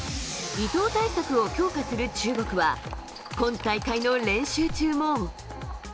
伊藤対策を強化する中国は今大会の練習中も。